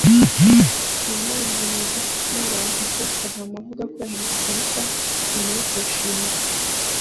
mu ntangiriro z’iki cyumweru yanditse kuri Instagram avuga ko yahindutse mushya nyuma yo kurushinga